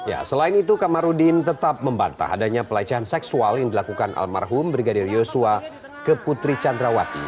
ya selain itu kamarudin tetap membantah adanya pelecehan seksual yang dilakukan almarhum brigadir yosua ke putri candrawati